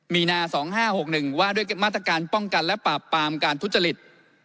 มีนาสองห้าหกหนึ่งว่าด้วยมาตรการป้องกันและปราบปรามการทุจจริต